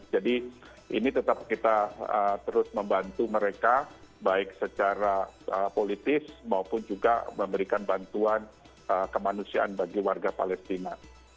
jadi ini tetap kita terus membantu mereka baik secara politis maupun juga memberikan bantuan kemanusiaan bagi warga palestina